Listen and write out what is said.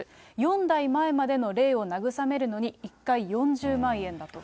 ４代前までの霊を慰めるのに１回４０万円だと。